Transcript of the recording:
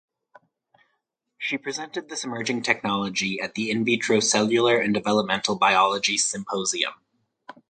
She presented this emerging technology at the In Vitro Cellular and Developmental Biology Symposium.